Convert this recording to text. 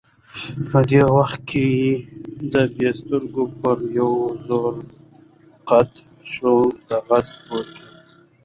په دې وخت کې یې سترګې پر یوه زوړ قات شوي کاغذ پرېوتې.